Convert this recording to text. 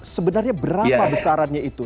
sebenarnya berapa besarannya itu